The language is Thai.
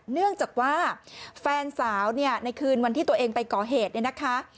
เนื่องจากว่าแฟนสาวเนี่ยในคืนวันที่ตัวเองไปก่อเหตุเนี่ยนะคะ